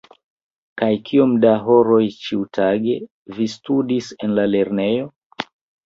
Kaj kiom da horoj ĉiutage vi studis en la lernejo?